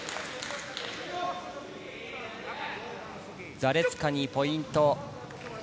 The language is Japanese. ザレツカにポイント。